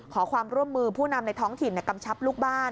ขอความร่วมมือผู้นำในท้องถิ่นกำชับลูกบ้าน